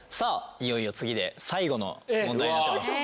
いよいよ次で最後の問題になってます。